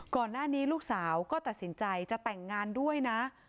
ก่อนหน้านี้ลูกสาวก็ตัดสินใจจะแต่งงานด้วยนะ